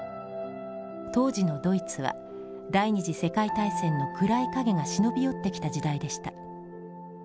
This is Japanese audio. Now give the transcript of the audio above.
当時のドイツは第二次世界大戦の暗い影が忍び寄ってきた時代でした。